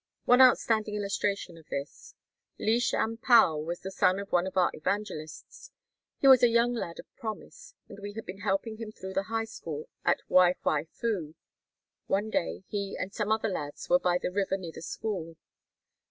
One outstanding illustration of this. Li Shan Pao was the son of one of our Evangelists; he was a young lad of promise and we had been helping him through the High School at Wei Hwei Fu. One day he and some other lads were by the river near the school.